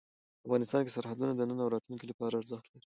افغانستان کې سرحدونه د نن او راتلونکي لپاره ارزښت لري.